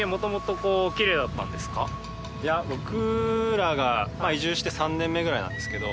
いや僕らが移住して３年目ぐらいなんですけど。